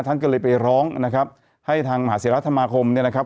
ท่านก็เลยไปร้องนะครับให้ทางมหาศิราสมาคมเนี่ยนะครับ